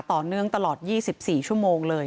ต่อเนื่องตลอด๒๔ชั่วโมงเลย